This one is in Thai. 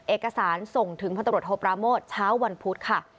เอกสารส่งถึงพันตรวจโทปราโมทเช้าวันพุธค่ะ